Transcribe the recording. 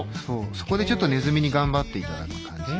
そこでちょっとねずみに頑張っていただく感じ。